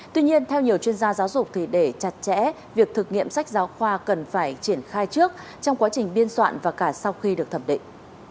tuy nhiên theo nhiều chuyên gia giáo dục để chặt chẽ việc thực nghiệm sách giáo khoa cần phải triển khai trước trong quá trình biên soạn và cả sau khi được thẩm định